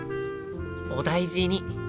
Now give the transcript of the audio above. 「お大事に」